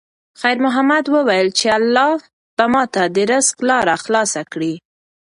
خیر محمد وویل چې الله به ماته د رزق لاره خلاصه کړي.